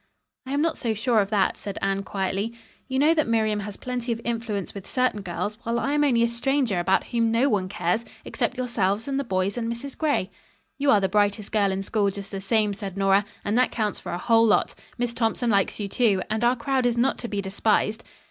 "I am not so sure of that," said Anne quietly. "You know that Miriam has plenty of influence with certain girls, while I am only a stranger about whom no one cares except yourselves and the boys and Mrs. Gray. "You are the brightest girl in school just the same," said Nora, "and that counts for a whole lot. Miss Thompson likes you, too, and our crowd is not to be despised."